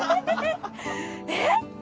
えっ？